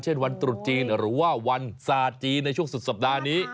เช่นวันตรุษจีนหรือว่าวันศาสตร์จีนในช่วงสุดสัปดาห์นี้